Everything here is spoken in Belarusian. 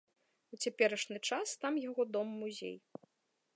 У цяперашні час там яго дом-музей.